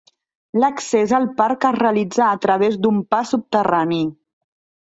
L'accés al parc es realitza a través d'un pas subterrani.